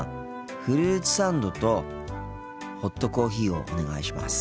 フルーツサンドとホットコーヒーをお願いします。